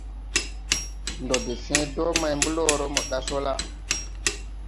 Ndɔ de sẽẽ dɔɔ may blɔɔrɔ mo ɗa sɔ la.